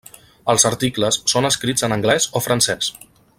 Els articles són escrits en anglès o francès.